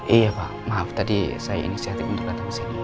iya pak maaf tadi saya ini sihatin untuk datang kesini